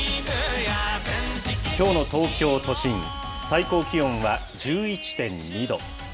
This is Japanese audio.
きょうの東京都心、最高気温は１１．２度。